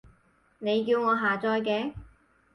你叫我下載嘅